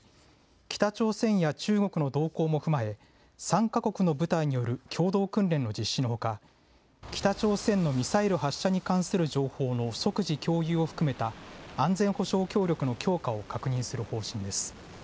北朝鮮や中国の動向も踏まえ３か国の部隊による共同訓練の実施のほか北朝鮮のミサイル発射に関する情報の即時共有を含めた安全保障協力の強化を確認する方針です。